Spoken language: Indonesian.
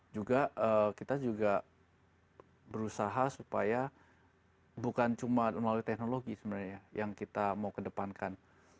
juga kita juga berusaha supaya bukan cuma melalui teknologi sebenarnya yang kita mau kedepankan